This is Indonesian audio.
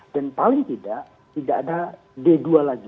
dan paling tidak tidak ada d dua lagi